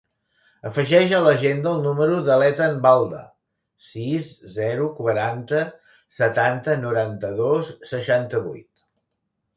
Afegeix a l'agenda el número de l'Ethan Balda: sis, zero, quatre, setanta, noranta-dos, seixanta-vuit.